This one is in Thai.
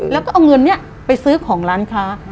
แล้วก็เอาเงินนี้ไปซื้อของร้านค้า